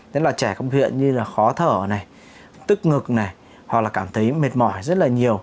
đấy là trẻ có biểu hiện như là khó thở này tức ngực này hoặc là cảm thấy mệt mỏi rất là nhiều